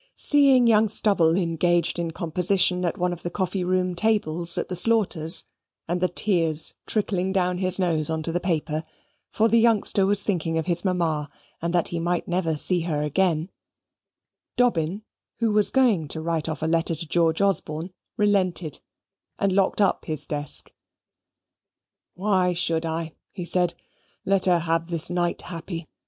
Seeing young Stubble engaged in composition at one of the coffee room tables at the Slaughters', and the tears trickling down his nose on to the paper (for the youngster was thinking of his mamma, and that he might never see her again), Dobbin, who was going to write off a letter to George Osborne, relented, and locked up his desk. "Why should I?" said he. "Let her have this night happy.